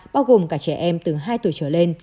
bao gồm cả trẻ em từ hai tuổi trở lên